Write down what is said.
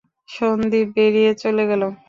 সন্দীপ বেরিয়ে চলে গেল।